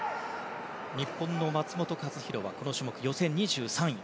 日本の松元克央はこの種目、予選２３位。